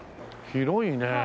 広いねえ。